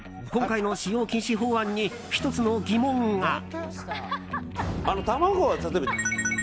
今回の使用禁止法案に１つの疑問が。